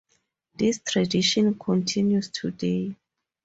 This tradition continues today.